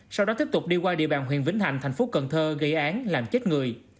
sau đó tiếp tục đi qua địa bàn huyện vĩnh hạnh tp cn gây án làm chết người